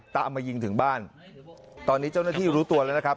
ตามมายิงถึงบ้านตอนนี้เจ้าหน้าที่รู้ตัวแล้วนะครับ